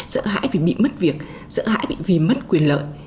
sợ hãi vì bị mất việc sợ hãi bị vì mất quyền lợi